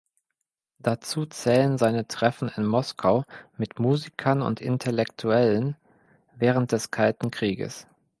Dazu zählen seine Treffen in Moskau mit Musikern und Intellektuellen während des Kalten Krieges.